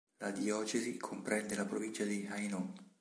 La diocesi comprende la provincia dell'Hainaut.